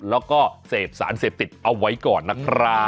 แล้วก็เสพสารเสพติดเอาไว้ก่อนนะครับ